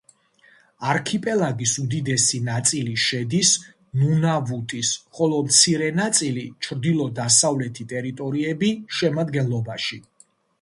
არქიპელაგის უდიდესი ნაწილი შედის ნუნავუტის, ხოლო მცირე ნაწილი ჩრდილო-დასავლეთი ტერიტორიები შემადგენლობაში.